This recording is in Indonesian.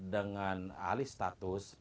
dengan ahli status